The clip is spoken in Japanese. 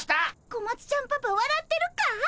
小町ちゃんパパわらってるかい？